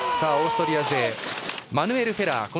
オーストリア勢マヌエル・フェラー。